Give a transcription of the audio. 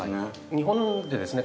日本でですね